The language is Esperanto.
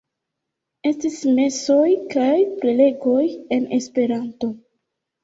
Estis mesoj kaj prelegoj en Esperanto.